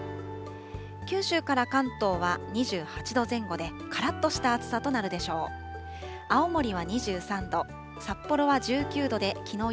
九州から関東は２８度前後で、からっとした暑さとなるでしょう。